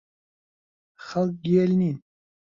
خەڵک گێل نییە.